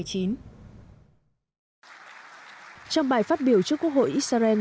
trong bài phát biểu trước quốc hội israel